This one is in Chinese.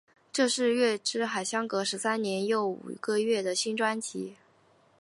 这是月之海相隔十三年又五个月的新专辑。